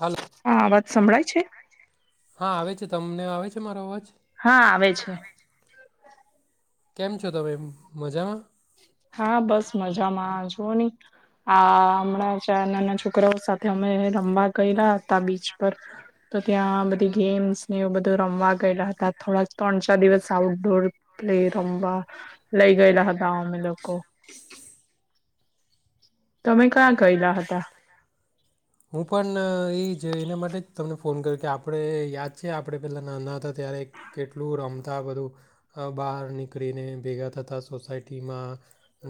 હાલો સાવ જ સંભળાય જ હા આવે છે તમને આવે છે? તમારો અવાજ? હા આવે છે. કેમ છો તમે મજામાં? હા બસ મજામાં જુઓની, આ હમણાં જ આ નાનાં છોકરાઓ સાથે અમે રમવા ગયેલા હતા બીચ પર, તો ત્યાં બધી ગેમ્સ ને એવું બધું રમવા ગયેલા હતા થોડા ત્રણ ચાર દિવસ આઉટઢોર પ્લે રમવા લઈ ગઈલા હ ક્યાં તમે કયા ગયેલા હતા? ગયેલા? હું પણ એ જ એના માટે તમને ફોન કર્યો કે આપણે યાદ છે આપણે પહેલાં નાના હતા ત્યારે કેટલું રમતા બધું, બહાર નીકળીને ભેગા થતા સોસાયટીમાં,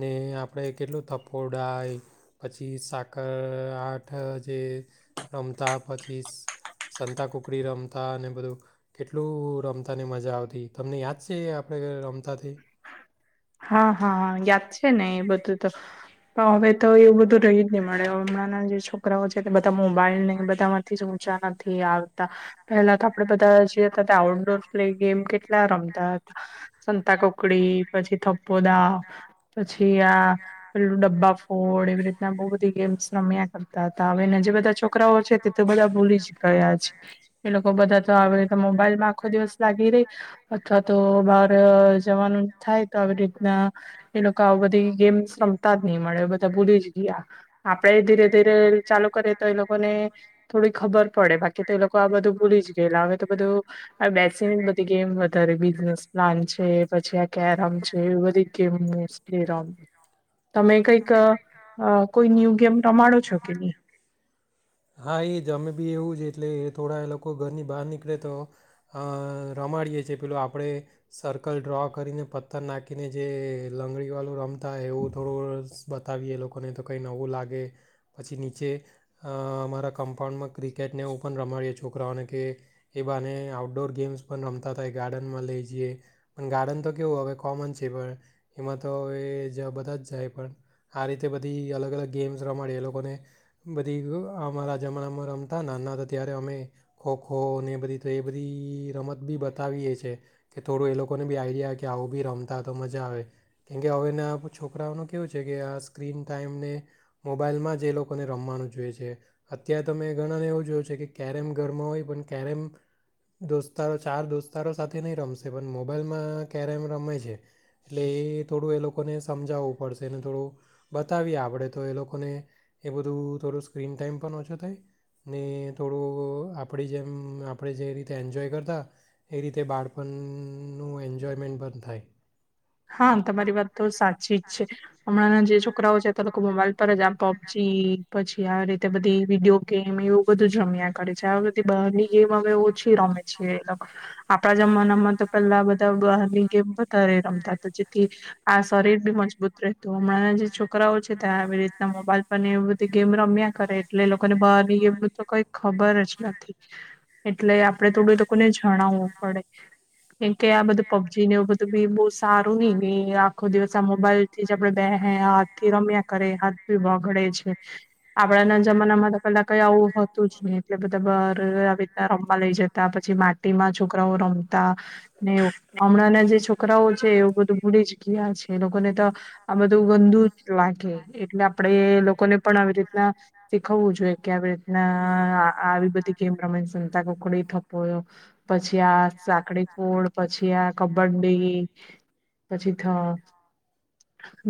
ને આપણે કેટલું થપોડાય પછી સાકર આઠ જે, રમતા પછી સં સંતા કુકડી રમતા અને બધું, કેટલું રમતાને મજા આવતી તમને યાદ છે આપણે રમતાથી? હા હા યાદ છે ને એ બધું તો. પણ હવે તો એવું બધું રહી જ નહી મળે હમણાંના જે છોકરાઓ છે બધા મોબાઈલ નહી બધામાંથી જ ઊંચા નથી આવતા. પહેલા તો આપડે બધા જે હતા આઉટડોર પ્લે ગેમ કેટલા રમતા. સંતા કોકડી પછી થપ્પો દાવ, પછી આ પેલું ડબ્બા ફોડ એવી રીતના બહુ બધી ગેમ્સ રમ્યા કર તા તા હવેના જે બધા છોકરાઓ છે તે તો બધા ભૂલી જ ગયા છે, એ લોકો બધા તો આવે મોબાઈલ માં આખો દિવસ લાગી રહી, અથવા તો બાર અ જવાનું થાય તો આવી રીતના, એ લોકો આવ બધી ગેમ્સ રમતા જ નહી મળે બધા ભૂલી જ ગયા, આપડે ધીરે ધીરે ચાલુ કરે તો એ લોકોને, થોડી ખબર પડે બાકી તો એ લોકો આ બધું ભૂલી જ ગયેલા હવે તો બધું, બેસીને બધી ગેમ વધારે બિઝનેસ પ્લાન છે, પછી આ કેરમ છે એવી બધી ગેમ રમેં. તમે કઈક કોઈ ન્યુ ગેમ રમાડો છો કે ની? હા એ જમે બી એવું જ એટલે થોડા એ લોકો ઘરની બહાર નીકળે તો, અ રમાડીએ છે પેલો, આપણે સર્કલ ડ્રો કરીને પથ્થર નાખીને જે લંગડીવાળું રમતા એવું થોડું બતાવીએ લોકોને તો કંઈ નવું લાગે, પછી નીચે અમારા કમ્પાઉન્ડમાં ક્રિકેટને એવું પણ રમાડીએ છોકરાઓને કે, એ બાને આઉટડોર ગેમ્સ પણ રમતા થાય ગાર્ડનમાં લઈ જઈએ, પણ ગાર્ડન તો કેવું હવે કોમન છે, પણ એમાં તો હવે બધા જ જાય પણ, આ રીતે બધી અલગ અલગ ગેમ્સ રમાડીએ એ લોકોને. બધી અમારા જમાણામાં રમતા નાના તા ત્યારે અમે, ખોખો ને એ બધી તો એ બધી રમત બી બતાવીએ છીએ, કે થોડું એ લોકોને બી આઈડિયા કે આવું બી રમતા તો મજા આવે, કેમકે હવેના છોકરાઓનું કેવું છે કે આ સ્ક્રીન ટાઈમને, મોબાઈલમાં જ એ લોકોને રમવાનું જોઈએ છે, અત્યારે તમે ગણા ને એવું જોયું છે કે કેરમ ઘરમાં હોય પણ કેરમ, દોસ્તારો ચાર દોસ્તારો સાથે નહી રમશે પણ મોબાઈલમાં કેરમ રમે છે. એટલે એ થોડું એ લોક લોકોને સમજાવવું પડશે અને થોડું, બતાવીએ આપડે તો એ લોકોને એ બધું થોડું સ્ક્રીન ટાઈમ પણ ઓછો થાય, ને થોડું આપણી જેમ આપણે જે રીતે એન્જોય કરતા, એ રીતે બાળપણનું એન્જોયમેન્ટ પણ થાય. હા તમારી વાત તો સાચી જ છે. હમણાંના જે છોકરાઓ છે તે લોકો મોબાઈલ પર જ આ પબજી પછી આવી રીતે બધી વિડીયો ગેમ એવું બધું જ રમ્યા કરે છે. આ બધી બહારની ગેમ અમે ઓછી રમે છે એ લોક. આપડા જમાનામાં તો પેલા બધા બહાર ની ગેમ વધારે રમતા. તો જેટી આ શરીર બી મજબૂત રહેતું. હમણાં જે છોકરાઓ છે ત્યાં આવી રીતના મોબાઈલ પર ને એ બધી ગેમ રમ્યા કરે એટલે એ લોકોને બહાર ની ગેમનું તો કઈ ખબર જ નથી. એટલે આપડે તો બી એ લોકોને જણાવવું પડે કેમ કે આ બધું પબજી ને એવું બધું બી બોવ સારું નહિ [unintelligible] આખો દિવસ આ મોબાઈઇલ થી જ આપડે બે હે હાથથી રમ્યા કરે, હાથ બી વગડે છે. આપણાના જમાનામાં તો પેલા કઈ આવું હતું જ નહી એટલે બધા બહાર આવી રીતના રમવા લઈ જતા, પછી માટીમાં છોકરાઓ રમતા ને એવું. હમણાંના જે છોકરાઓ બધું ભૂલી જ ગયા છે. એ લોકોને તો આ બધું ગંદુ જ લાગે એટલે આપડે લોકોને પણ આવી રીતના શીખવવું જોઈએ કે આવી રીતના આ આ આવી બધી ગેમ રમે, સંતાકુકડી, થપ્પો પછી આ સાકડી ફોડ પછી આ કબડ્ડી. પછી થ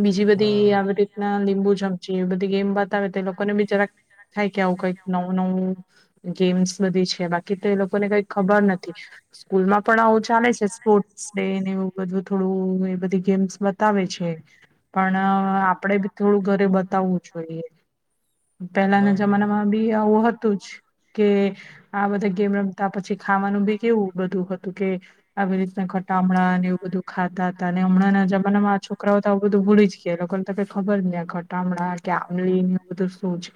બીજી હા બધી આવી રીતના લીંબુ ચમચી એ બધી ગેમ બતાવે તો એ લોકોને બી જરાક થાય કે આવું કઈક નવું-નવું ગેમ્સ બધી છે, બાકી તો એ લોકોને કઈ ખબર નથી. સ્કૂલમાં પણ આવું ચાલે છે સ્પોર્ટસ ડે ને એવું થોડું એમ. બધી ગેમ્સ બતાવે છે પણ અહ આપડે બી થોડું ઘરે બતાવવું જોઈએ. પહેલાના હા હા જમાનામાં બી આવું હતું જ કે આ બધા ગેમ રમતા, પછી ખાવાનું બી કેવું બધું હતું કે આવી રીતના ખટા આમળા ને એવું બધું ખાતા હતા અને ઓન હમણાંના જમાનામાં આ છોકરાઓ તો આવું બધું ભૂલી જ ગયા. એ લોકોને તો કઈ ખબર નહી. [unintelligible] કે આંલી ને બધું શું છે,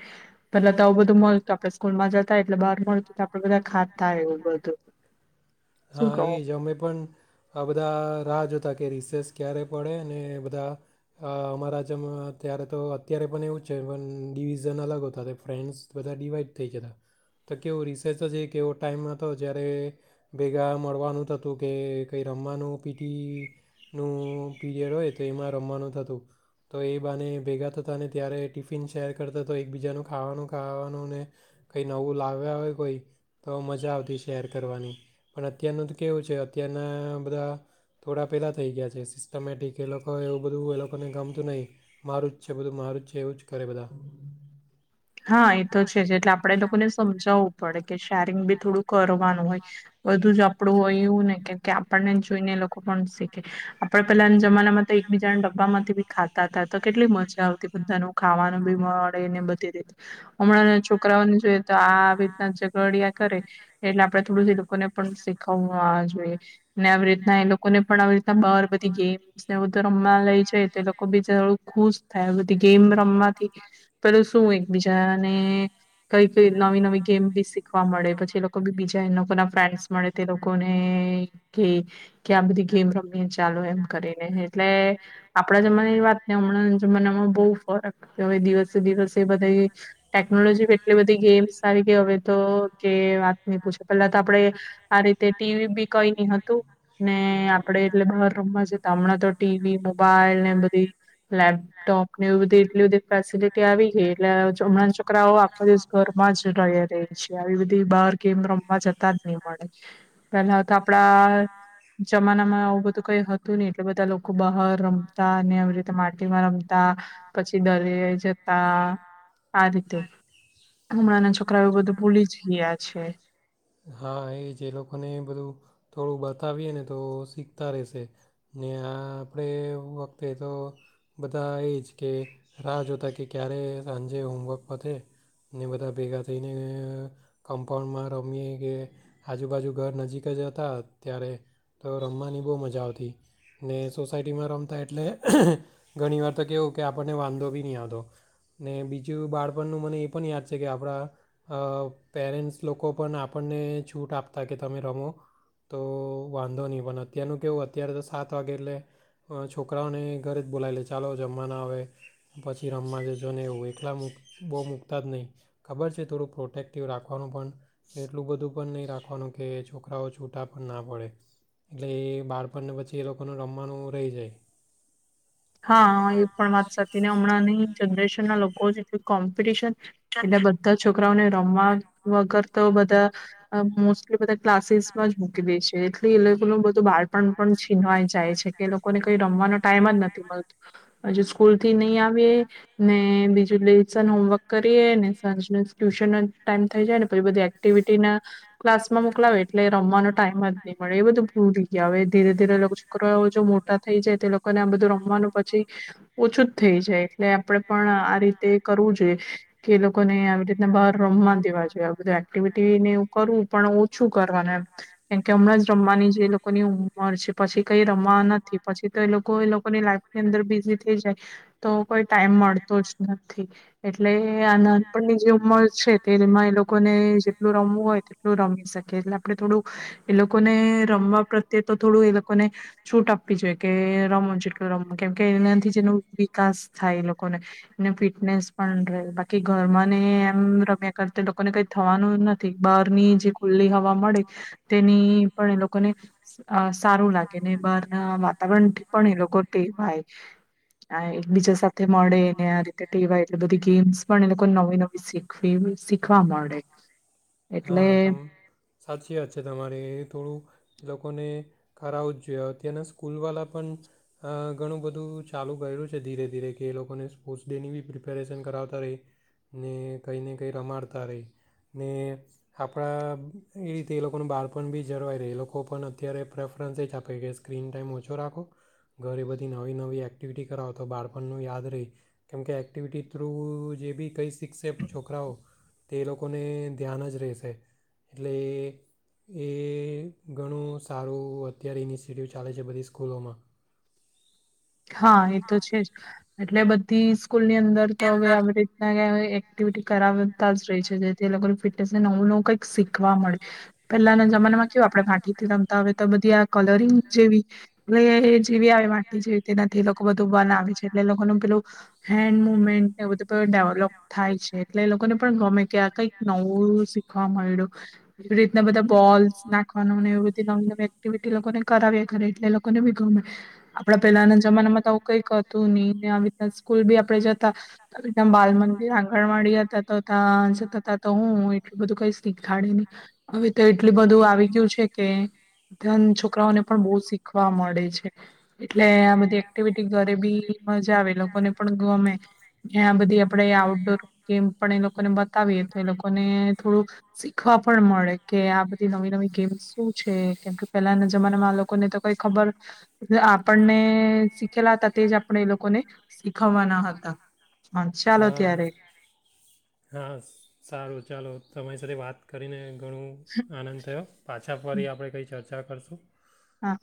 પેલા તો આવ બધું મલતું, આપણે સ્કૂલમાં જતા એટલે બહાર પણ આપડે બધા ખાતા એવું બધું. શું હા કહુ? એ જ તા કે રિસેસ ક્યારે પડે અને બધા અહ અમારા જમ અહ ત્યારે તો અત્યારે પણ એવું જ છે. પણ ડિવિઝન અલગ હોતા, તે ફ્રેન્ડ્સ બધા ડિવાઈડ થઈ જત. તો કેવું રિસેર્ચ જ એ કેવો ટાઈમ હતો જ્યારે ભેગા મળવાનું થતું કે કંઈ રમવાનું પીટી નું પીરિયડ હોય તો એમાં રમવાનું થતું. તો એ બાને ભેગા થતાં ને ત્યારે ટિફિન શેર કરતા તો એકબીજાનું ખાવાનું ખાવાનું ને કંઈ નવું લાવ્યા હોય કોઈ તો મજા આવતી શેર કરવાની. પણ અત્યારનું તો કેવું છે અત્યારના બધા થોડા પહેલાં થઈ ગયા છે સિસ્ટમેટિક, એ લોકો એવું બધું એ લોકોને ગમતું નહીં. મારું જ છે, બધું મારું જ છે, એવું જ કરે બધા. હા. એ તો છે જ જે એટલે આપડે એ લોકોને સમજાવવું પડે. કે શેરિંગ બી થોડું કરવાનું હોય. બધું જ આપડું હોય એવું ને કે કે આપણને જોઈને એ લોકો પણ શીખે. આપણ પેલાના જમાના માં તો એકબીજાને ડબ્બામાંથી બી ખાતા હતા તા. તો કેટલી મજા આવતી બધાનું ખાવાનું બી મળે ને બધી રીત હમણાંના છોકરાઓને જોઈએ તો આ આવી રીતના ઝઘડિયા કરે. એટલે આપડે થોડું જ એ લોકોને પણ શીખવા જોઈએ. ને આવી રીતના એ લોકોને પણ આવી રીતના બહાર બધી ગે [unintelligible] રમવા લઈ જાય, તે લોકો બીચારું ખુશ થાય બધી ગેમ રમવાથી પેલું શું હોય બીજાને કઈ-કઈ નવી-નવી ગેમ બી શીખવા મળે, પછી એ લોકો બી બીજા એ લોકો ના ફ્રેન્ડસ મળે તે લોકોને કે, કે આ બધી ગેમ રમીએ ચાલો કરીને એટલે આપણા જમાનાની વાત હમણાં જમાનામા બહુ ફરક હવે દિવસે-દિવસે વધ ટે ટેકનોલોજી ભી એટલી બધી ગેમ્સ આવી ગઈ, હવે તો કે વાત ન પૂછો. પેલા તો આપડે આ રીતે ટીવી બી કઈ ની હતું ને આપડે એટલે બહારનું હમણાં તો ટીવી, મોબાઈલ ને બધી લેપટોપ ને એ બધી એટલી બધી ફેસિલિટી આવી ગઈ અહ હમણાંના છોકરાઓ આખો દિવસ ઘરમાં જ રહ્યા રહે છે. આવી બધી બહાર ગેમ રમવા જતા જ નહી મળે. પેલા તો આપડા જમાના માં આવું બધું કઈ [unintelligible] એટલા બધા લોકો બહાર રમતા, ને આવી રીતે માટીમાં રમતા, પછી દરીયે જતા આ રીતે, હમણાંના છોકરાઓ બધું ભૂલી જ ગયા છે. હા એ જ એ લોકોને બધું થોડું બતાવીએ ને તો શીખતા રહેશે. ને આ આપણે વખતે તો બધા એ જ કે રાહ જોતા કે ક્યારે સાંજે હોમવર્ક પતે. ને બધા ભેગા થઈને કમ્પાઉન્ડમાં રમીએ કે આજુબાજુ ઘર નજીક જ હતા. ત્યારે તો રમવાની બહુ મજા આવતી. ને સોસાયટીમાં રમતા એટલે અહ.. અહ.. ઘણી વાર તો કેવું કે આપણને વાંધો બી નહીં આવદો ને બીજું બાળપણનું મને એ પણ યાદ છે, કે આપણા પેરેન્ટ્સ લોકો પણ આપણને છૂટ આપતા, કે તમે રમો તો વાંધો નહીં પણ અત્યારનું કેવું હત અત્યારે તો સાત વાગે એટલે છોકરાઓને ઘરે જ બોલાવી લે ચાલો જમવા, ના આવે પછી રમવા જજો ને એવું એકલા મક બહુ મૂકતા જ નહીં, ખબર છે થોડું પ્રોટેક્ટિવ રાખવાનું પણ એટલું બધું પણ નહીં રાખવાનું કે છોકરાઓ છૂટા પણ ના પડે એટલે એ બાળપણ આપણને પછી એ લોકોનું રમવાનું રહી જાય. હા. એ પણ વાત સાચી ને હમણાં નહી જનરેશન ના લોકો જેટું કોમ્પિટિશન એટલે બધા છોકરાઓને રમવા વગર તો બધા મોસટલી ક્લાસીસમાં જ મુકી દે છે એટ એ લોકો બધું બાળ પણ પણ છીનવાઈ જાય છે. એ લોકોને કઈ રમવાનો ટાઈમ જ નથી. હજુ સ્કૂલ થી નહી આવી, ને બીજું લેસન હોમવર્ક કરીએ ને સાંજ ટ્યુશન ન ટાઈમ થઈ જાય, ને પછી બધી એક્ટિવિટી ના ક્લાસમાં મોકલાવે, એટલે રમવાનો ટાઈમ જ નહી મળે. એ બધું ભૂલ થ ગ હવે ધીરે-ધીરે છોકરા જો મોટા થઈ જાય તે લોકોને આ બધું ર પછી ઓછું જ થઈ જાય એટલે આપણેે પણ આ રીતે કરવું જોઈએ કે એ લોકોને આવી રીતને બહાર રમવા દવા જોઈએ બધું એક્ટિવિટીને એ કરવું પણ ઓછું કરવાનું એમ કેમકે હમણાં જ રમવાની છે એ લોકોની ઉંમર છે પછી કઈ રમવા નથી પછી તો એ લોકો એ લોકોની લફ ની અંદર બિઝી થઈ જાય તો કોઈ ટાઈમ મળતો જ નથી એટલે આ નાનપણની જે ઉંમર છે તેમાં એ લોકોને જેટલું રમવું હોય તેટલું રમી શકે એટલે આપણે થોડું એ લોકોને રમવા પ્રત્યે તો થોડું એ લોકોને છૂટ આપવી જોઈએ કે રમો જેટ કેમ કે એનાથી જેનો વિકાસ થાય એ લોકોને એને ફિટનેસ પણ રહે બાકી ઘરમાં ને એમ રમ્યા કરતા લોકોને કઈ થવાનું નથી બહારની જે ખુલ્લી હવા મળે તેની પણ એ લોકોને સારું લાગે ને બહાર ના વાતાવરણથી પણ એ લોકો વાય એકબીજા સાથે મળે એને આ રીતે ટેવાય એટલે બધી ગેમ્સ પણ એ લોકો નવી નવી શીખવી શીખવા મળે એટલે હા ત સાચી વાત છે તમારે થોડું કરું જ જો અતારના સ્કૂલ વાળા પણ ઘણું બધું ચાલુ કર્યું છે ધીરે ધીરે કે એ લોકોને સ્પોર્ટ્સ ડે ની પ્ર પ્રિપેરેશન કરાવતા રહી ને કંઈ ને કં રમાડતા રહી ને આપણા એ રીતે એ લોકોનું બાળપણ બી જળવાય રહે એ લોકો પણ અત્યારે પ્રેફરન્સ એ જ આપે કે સ્ક્રીન ટાઈમ ઓછો રાખો ઘરે બધી નવી નવી એક્ટિવિટી કરાવો તો બાળપણનું યાદ રહે કેમકે એક્ટિવિટી થ્રુ જે બી કંઈ શીખશે છોકરાઓ તે લોકોને ધ્યાન જ રહેશે એટલે એ ઘણું સારું અત્યારે ઇનિશિએટિવ ચાલે છે બધી સ્કૂલોમાં હા એ તો છે જ એટલે બધી સ્કૂલ ની અંદર તો હવે આવી રીતના કય એક્ટિ કરાવતા જ રહી છે જેથી અલગ અલગ ફિટનેસ ને નવું નવું કંઈક શીખવા મળે પેલાના જમાનામાં કેવું આપણે રમતા હવે તો બધી આ કલરિંગ જેવી જેવી આવે વાટી જે તેનાથી લોકો બધું બન આવે છે એટલે લોકોનું પેલું હેન્ડ મુવમેન્ટ એ બધુંેું ડેવલોપ થાય છે એટલે એ લોકોને પણ ગમે કે આ કઈક નવું શીખવા મળ્યું એવી રીતના બધા બોલ્સ નાખવા નવી નવી એક્ટિવિટી લોકોને કરાવી ઘે એટલે લોકોને બી ગમે આપ પેલાના જમાનામાં તો આવું કઈતું નહ ને રી સ્કૂલ બી આપે જતા બાલ મંદિર, આંગણવાડી હતા તો ત્યાં જતા હતા તો હું એટલું બધું કઈ શીખાડે નહી, હવે તો એટલું બધું આવી ગયું છે. કે ધ્યાન છોકરાઓને પણ બહુ શીખવા મળે છે. એટલે આ બધી એક્ટિવિટી ઘરે બી મજા આવે લોકોને પણ ગમે, અને આ બધી આપડે આઉટડોર ગેમ પણ એ લોકોને બતાવીએ તો એ લોકોને થોડું, શીખવા પણ મળે કે આ બધી નવી નવી ગેમ્સ શું છે કેમ કે પેલાના જમાનામાં આ લોકો ને તો કઈ ખબર આપને શીખેલા હતા તે જ આપણે એ લોકોને, શીખવાવાના હતા, હ ચાલો હા ત્યારે. હા સારું ચાલો તમારી સાથે વાત કરીને ઘણો આનંદ થયો, પાચ વા આપણે કઈ [unintelligible] હા.